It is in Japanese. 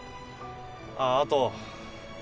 あっあと。